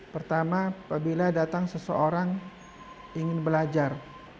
pertama apabila datang seseorang ingin belajar